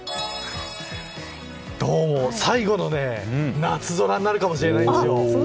どうも最後の夏空になるかもしれないんですよ。